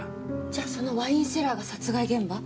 じゃそのワインセラーが殺害現場？